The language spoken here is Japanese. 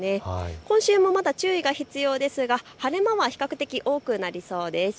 今週も注意が必要ですが、晴れ間は比較的多くなりそうです。